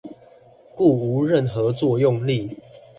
故無任何作用力